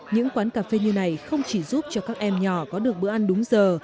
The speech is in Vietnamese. những quán cà phê như này không chỉ giúp cho các em nhỏ có được bữa ăn đúng giờ